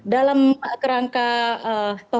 dalam kerangka toko public figure atau apa begitu ya